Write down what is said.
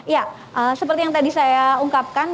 ya seperti yang tadi saya ungkapkan